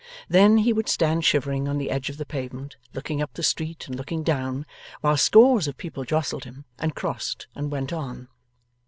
Then, he would stand shivering on the edge of the pavement, looking up the street and looking down, while scores of people jostled him, and crossed, and went on.